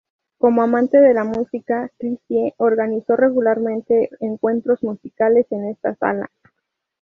Como amante de la música, Christie organizó regularmente encuentros musicales en esta sala.